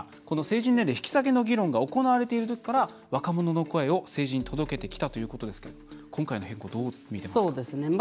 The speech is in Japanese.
この成人年齢引き下げの議論が行われているときから若者の声を政治に届けてきたということですけれど今回の変更、どう見てますか？